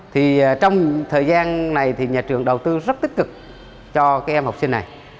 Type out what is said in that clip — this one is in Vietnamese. thì trong thời gian này thì nhà trường đầu tư rất tích cực cho cái em học sinh này